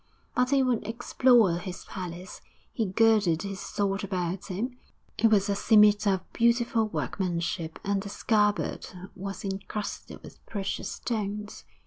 But he would explore his palace! He girded his sword about him; it was a scimitar of beautiful workmanship, and the scabbard was incrusted with precious stones....